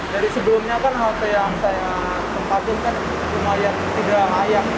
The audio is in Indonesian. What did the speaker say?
dari sebelumnya kan halte yang saya tempatin kan lumayan tidak layak